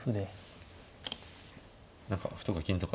何か歩とか金とか。